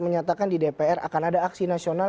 menyatakan di dpr akan ada aksi nasional